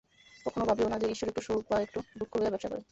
কখনও ভাবিও না যে, ঈশ্বর একটু সুখ বা একটু দুঃখ লইয়া ব্যবসা করেন।